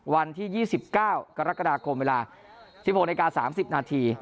วันที่๒๙กรกฎาคมเวลา๑๖นาที๓๐นาที